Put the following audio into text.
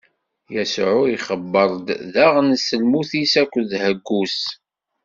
Yasuɛ ixebbeṛ-d daɣen s lmut-is akked ḥeggu-s.